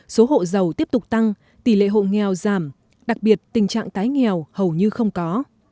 số hộ giàu tiếp tục tăng tỷ lệ hộ nghèo giảm đặc biệt tình trạng tái nghèo hầu như không có